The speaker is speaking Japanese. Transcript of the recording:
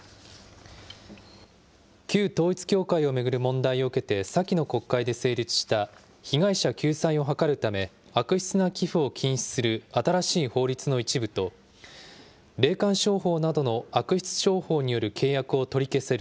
旧統一教会を巡る問題を受けて、先の国会で成立した被害者救済を図るため、悪質な寄付を禁止する新しい法律の一部と、霊感商法などの悪質商法による契約を取り消せる